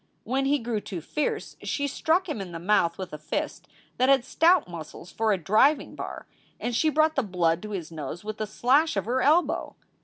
When he grew too fierce she struck him in the mouth with a fist that had stout muscles for a driving bar, and she brought the blood to his nose with a slash of her elbow.